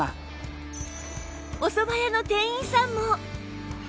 おそば屋の店員さんも